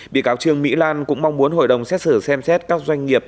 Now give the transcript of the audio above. bị cáo trương mỹ lan cũng mong muốn hội đồng xét xử xem xét các doanh nghiệp